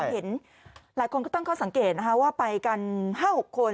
เห็นหลายคนก็ตั้งข้อสังเกตว่าไปกัน๕๖คน